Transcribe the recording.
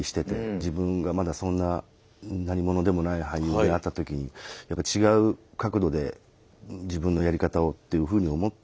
自分がまだそんな何者でもない俳優であった時にやっぱり違う角度で自分のやり方をというふうに思って。